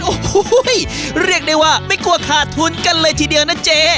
โอ้โหเรียกได้ว่าไม่กลัวขาดทุนกันเลยทีเดียวนะเจ๊